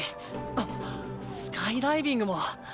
あっスカイダイビングも。